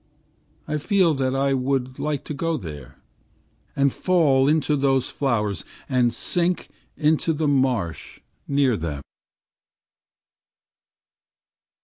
I feel that I would like to go there and fall into those flowers and sink into the marsh near them.